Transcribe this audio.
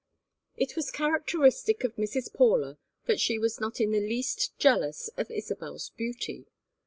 XX It was characteristic of Mrs. Paula that she was not in the least jealous of Isabel's beauty.